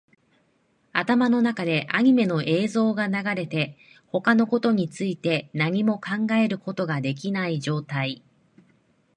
頭の中でアニメの映像が流れて、他のことについて何も考えることができない状態